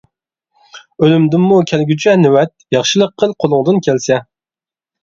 ئۆلۈمدىنمۇ كەلگۈچە نۆۋەت، ياخشىلىق قىل قولۇڭدىن كەلسە.